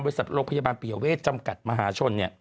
บริษัทโรคพยาบาลปิเยาเวศจำกัดมหาชน